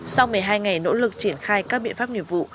sau một mươi hai ngày nỗ lực triển khai các biện pháp nghiệp vụ